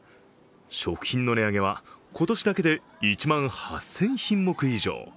食品の値上げは今年だけで１万８０００品目以上。